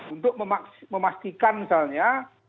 untuk memastikan misalnya